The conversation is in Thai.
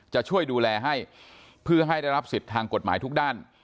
จะช่วยดูแลให้เพื่อให้ได้รับสิทธิ์ทางกฎหมายทุกด้าน